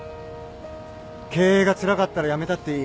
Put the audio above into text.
経営がつらかったらやめたっていい。